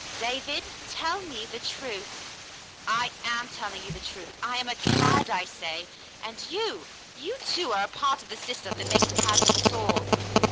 "David, tell me the truth." "I am telling you the truth. I ain a cad, I say. And you — you, too, are a part of the system that makes cads of us all."